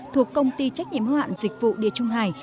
thuộc công ty trách nhiệm hưu hạn dịch vụ địa trung hải